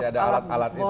masih ada alat alat ini